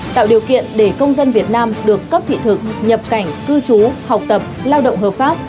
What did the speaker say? tạo điều kiện để công dân việt nam được cấp thị thực nhập cảnh cư trú học tập lao động hợp pháp